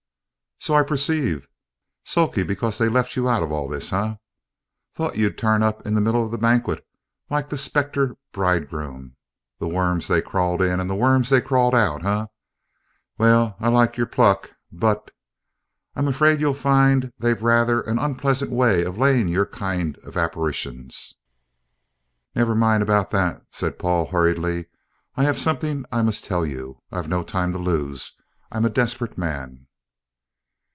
"So I perceive. Sulky because they left you out of all this, eh? Thought you'd turn up in the middle of the banquet, like the spectre bridegroom 'the worms they crawled in, and the worms they crawled out,' eh? Well, I like your pluck, but, ahem I'm afraid you'll find they've rather an unpleasant way of laying your kind of apparitions." "Never mind about that," said Paul hurriedly; "I have something I must tell you I've no time to lose. I'm a desperate man!"